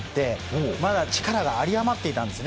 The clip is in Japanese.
まだ力が有り余っていたんです。